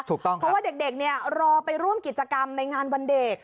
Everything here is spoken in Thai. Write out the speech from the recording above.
ถูกต้องครับเพราะว่าเด็กเนี่ยรอไปร่วมกิจกรรมในงานวันเด็ก